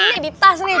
ini di tas nih